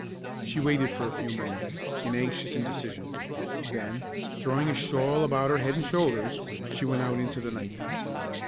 She waited, for a few moments, in anxious indecision; then, throwing a shawl about her head and shoulders, she went out into the night.